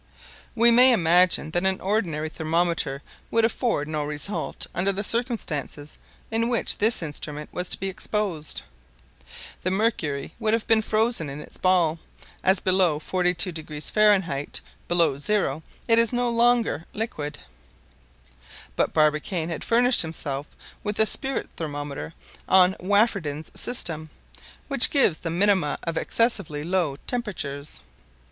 We may imagine that an ordinary thermometer would afford no result under the circumstances in which this instrument was to be exposed. The mercury would have been frozen in its ball, as below 42° Fahrenheit below zero it is no longer liquid. But Barbicane had furnished himself with a spirit thermometer on Wafferdin's system, which gives the minima of excessively low temperatures.